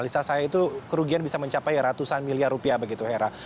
analisa saya itu kerugian bisa mencapai ratusan miliar rupiah begitu hera